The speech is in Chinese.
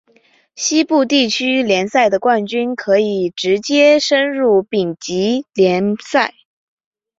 西部地区联赛的冠军可以直接升入丙级联赛。